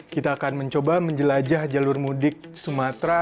kita akan mencoba menjelajah jalur mudik sumatera